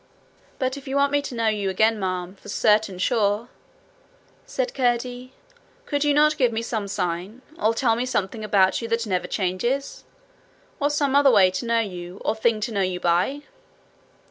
'But if you want me to know you again, ma'am, for certain sure,' said Curdie, 'could you not give me some sign, or tell me something about you that never changes or some other way to know you, or thing to know you by?'